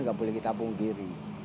enggak boleh kita mungkiri